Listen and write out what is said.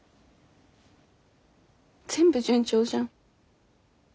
全部順調じゃん。